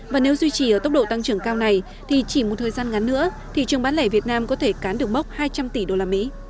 và nếu duy trì ở tốc độ tăng trưởng cao này thì chỉ một thời gian ngắn nữa thị trường bán lẻ việt nam có thể cán được bốc hai trăm linh tỷ usd